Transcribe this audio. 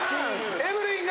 エブリンが。